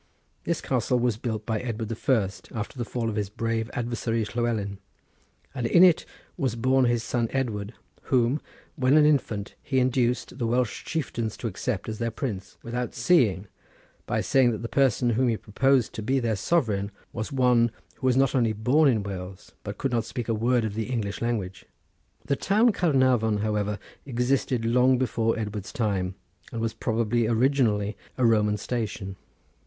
This castle was built by Edward the First after the fall of his brave adversary Llewelyn, and in it was born his son Edward whom, when an infant, he induced the Welsh chieftains to accept as their prince without seeing, by saying that the person whom he proposed to be their sovereign was one who was not only born in Wales, but could not speak a word of the English language. The town of Caernarvon, however, existed long before Edward's time, and was probably originally a Roman station.